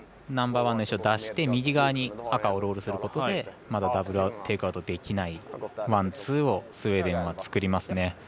ナンバーワンの石を出して右側に赤をロールすることでまだダブル・テイクアウトできないワン、ツーをスウェーデンは作りますね。